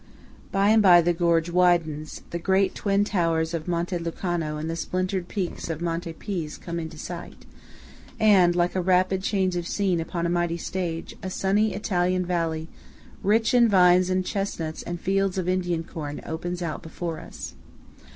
By and by the gorge widens; the great twin towers of Monte Lucano and the splintered peaks of Monte Pizz come into sight; and, like a rapid change of scene upon a mighty stage, a sunny Italian valley rich in vines and chesnuts and fields of Indian corn opens out before us.